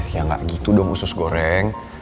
ya nggak gitu dong usus goreng